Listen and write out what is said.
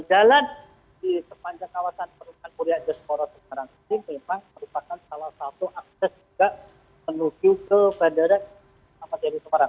jalan di sepanjang kawasan perumahan polri adas koro semarang ini memang merupakan salah satu akses juga menuju ke bandara